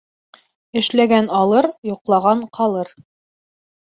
Эшләгән алыр, йоҡлаған ҡалыр.